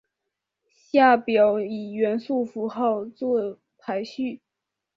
下表以元素符号作排序。